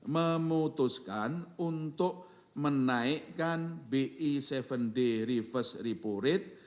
memutuskan untuk menaikkan bi tujuh day reverse repo rate